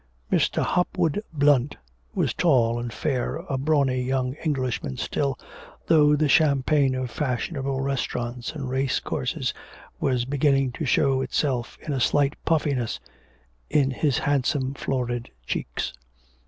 Mr. Hopwood Blunt was tall and fair, a brawny young Englishman still, though the champagne of fashionable restaurants and racecourses was beginning to show itself in a slight puffiness in his handsome florid cheeks.